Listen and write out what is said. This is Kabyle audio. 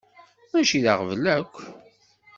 Mačči d aɣbel akk.